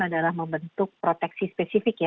adalah membentuk proteksi spesifik